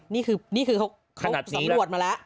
นี่คือเขาสำรวจมาแล้ว